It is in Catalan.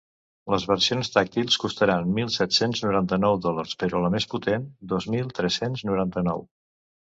Les versions tàctils costaran mil set-cents noranta-nou dòlars, però la més potent, dos mil tres-cents noranta-nou.